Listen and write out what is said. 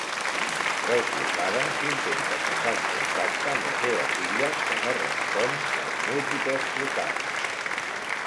Preocupada, s'intenta posar en contacte amb la seva filla, que no respon les múltiples trucades.